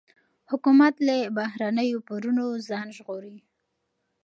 حکومت له بهرنیو پورونو ځان ژغوري.